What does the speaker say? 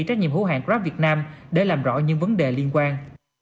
trách nhiệm hữu hàng grab việt nam để làm rõ những vấn đề liên quan